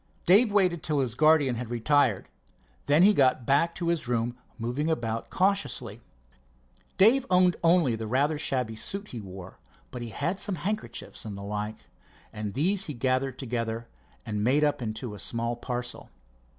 Dave waited till his guardian had retired, then he got back to his room, moving about cautiously. Dave owned only the rather shabby suit he wore, but he had some handkerchiefs and the like, and these he gathered together and made up into a small parcel.